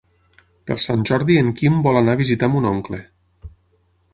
Per Sant Jordi en Quim vol anar a visitar mon oncle.